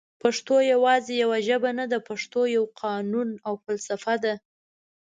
پښتو یواځي یوه ژبه نده پښتو یو قانون او فلسفه ده